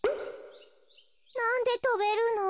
なんでとべるの？